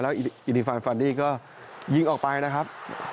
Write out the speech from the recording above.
อิริฟานฟันดี้ก็ยิงออกไปนะครับ